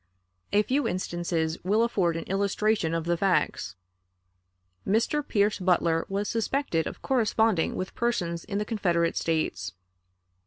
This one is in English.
A few instances will afford an illustration of the facts. Mr. Pierce Butler was suspected of corresponding with persons in the Confederate States.